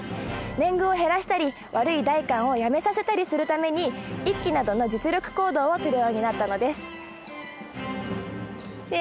年貢を減らしたり悪い代官を辞めさせたりするために一揆などの実力行動をとるようになったのです。ね？